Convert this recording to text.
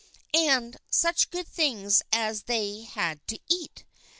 And such good things as they had to eat